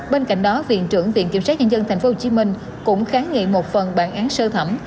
bên cạnh đó viện trưởng viện kiểm sát nhân dân tp hcm cũng kháng nghị một phần bản án sơ thẩm